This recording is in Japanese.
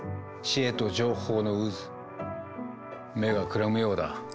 知恵と情報の渦目がくらむようだ。